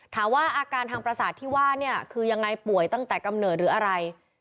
อาการทางประสาทที่ว่าเนี่ยคือยังไงป่วยตั้งแต่กำเนิดหรืออะไร